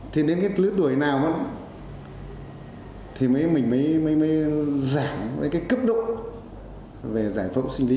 thì đến cái lứa tuổi nào vẫn thì mình mới giảm cái cấp độ về giải phóng sinh lý